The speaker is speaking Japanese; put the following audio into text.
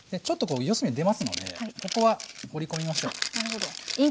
ちょっとこう四隅出ますのでここは折り込みましょう。